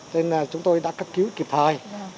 nên chúng tôi đã cấp cứu kịp thời